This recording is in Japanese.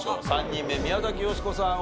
３人目宮崎美子さん